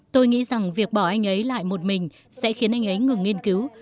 tôi nghĩ rằng việc bỏ anh ấy lại một mình sẽ khiến anh ấy ngừng nghiên cứu